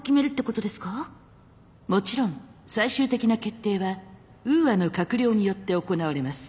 もちろん最終的な決定はウーアの閣僚によって行われます。